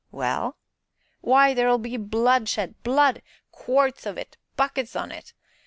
"Well?" "W'y, there'll be blood shed blood! quarts on it buckets on it!